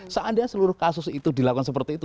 seandainya seluruh kasus itu dilakukan seperti itu